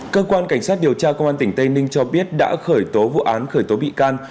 cơ quan cảnh sát điều tra công an tỉnh tây ninh cho biết đã khởi tố vụ án khởi tố bị can